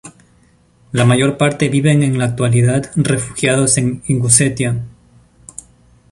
La mayor parte viven en la actualidad refugiados en Ingusetia.